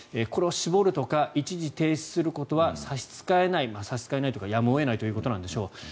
これを絞るとか一時停止することは差し支えない差し支えないというかやむを得ないということなんでしょう。